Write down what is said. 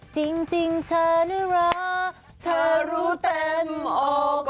จริงเธอนี่รักเธอรู้เต็มอก